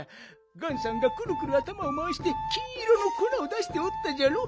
ガンさんがクルクルあたまをまわして金いろのこなを出しておったじゃろ。